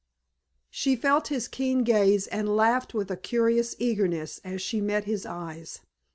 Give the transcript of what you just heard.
She felt his keen gaze and laughed with a curious eagerness as she met his eyes.